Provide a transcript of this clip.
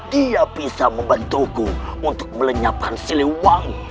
dia bisa membantuku untuk melenyapkan siliwangi